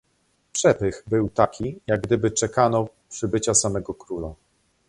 "Przepych był taki, jak gdyby czekano przybycia samego króla."